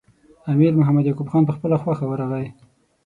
امیر محمد یعقوب خان په خپله خوښه ورغی.